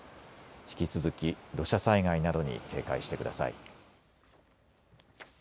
引き続き土砂災害などに警戒してください。